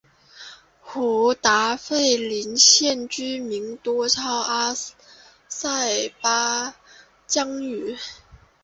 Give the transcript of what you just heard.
胡达费林县居民多操阿塞拜疆语。